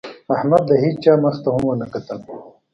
احمد د هېڅا مخ ته هم ونه کتل.